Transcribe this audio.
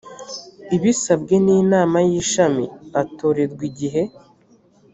ibisabwe n inama y ishami atorerwa igihe